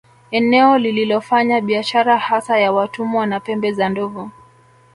Eneo lililofanya biashara hasa ya watumwa na pembe za Ndovu